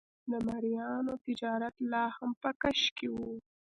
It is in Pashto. د مریانو تجارت لا هم په کش کې و.